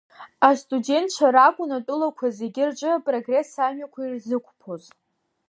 Астудентцәа ракәын атәылақәа зегьы рҿы апрогресс амҩақәа ирзықәԥоз.